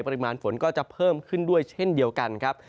ปริมาณฝนก็จะเพิ่มขึ้นด้วยเช่นเดียวกันครับ